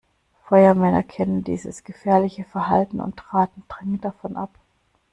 Feuerwehrmänner kennen dieses gefährliche Verhalten und raten dringend davon ab.